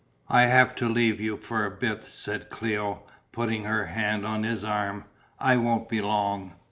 "I have to leave you for a bit," said Cléo, putting her hand on his arm, "I won't be long."